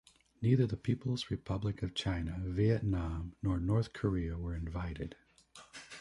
Neither the People's Republic of China, Vietnam nor North Korea were invited.